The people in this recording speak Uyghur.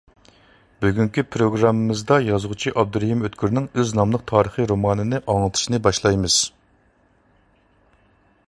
بۈگۈنكى پروگراممىمىزدا يازغۇچى ئابدۇرېھىم ئۆتكۈرنىڭ ئىز ناملىق تارىخى رومانىنى ئاڭلىتىشنى باشلايمىز.